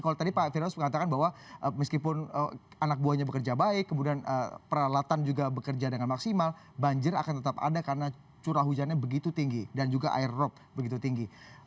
kalau tadi pak firdaus mengatakan bahwa meskipun anak buahnya bekerja baik kemudian peralatan juga bekerja dengan maksimal banjir akan tetap ada karena curah hujannya begitu tinggi dan juga air rop begitu tinggi